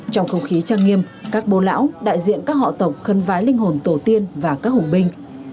trong không khí trang nghiêm các bố lão đại diện các họ tộc khân vái linh hồn tổ tiên và các hùng binh